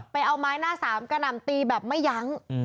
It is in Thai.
เอาไม้หน้าสามกระหน่ำตีแบบไม่ยั้ง